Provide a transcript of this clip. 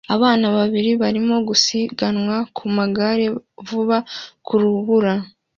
Abana babiri barimo gusiganwa ku maguru vuba ku rubura